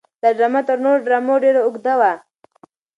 دا ډرامه تر نورو ډرامو ډېره اوږده وه.